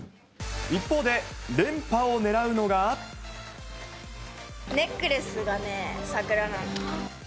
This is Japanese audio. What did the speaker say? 一方で、ネックレスがね、桜なの。